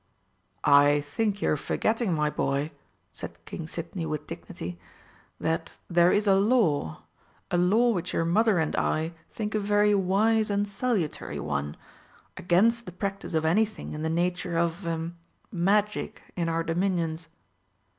"I think you're forgetting, my boy," said King Sidney with dignity, "that there is a law a law which your mother and I think a very wise and salutary one against the practice of anything in the nature of ah Magic in our dominions."